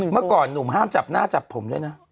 เมื่อก่อนหนุ่มห้ามจับหน้าจับผมด้วยนะ